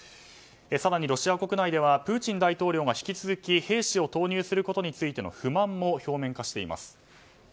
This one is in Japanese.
更にロシア国内ではプーチン大統領が引き続き兵士を投入することについての不満も表面化しています。